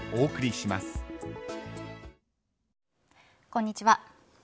こんにちは。